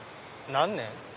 何年？